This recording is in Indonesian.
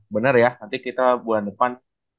benar ya nanti kita bulan depan